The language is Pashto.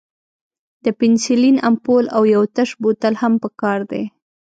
د پنسلین امپول او یو تش بوتل هم پکار دی.